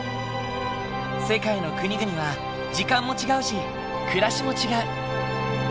世界の国々は時間も違うし暮らしも違う。